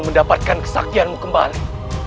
mendapatkan kesaktianmu kembali